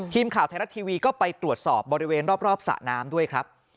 ทีมข่าวไทยรัฐทีวีก็ไปตรวจสอบบริเวณรอบสระน้ำด้วยครับ